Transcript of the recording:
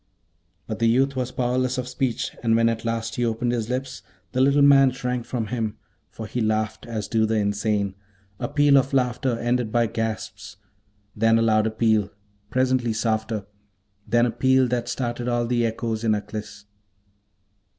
But the youth was powerless of speech, and when at last he opened his lips, the little man shrank from him, for he laughed as do the insane, a peal of laughter ended by gasps; then a louder peal, presently softer; then a peal that started all the echoes in Aklis.